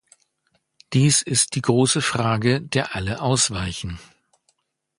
Dies ist die große Frage, der alle ausweichen.